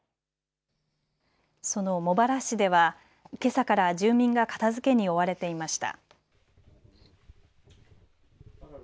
その茂原市ではけさから住民が片づけに追われていました。